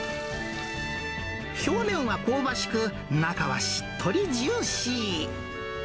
表面は香ばしく、中はしっとりジューシー。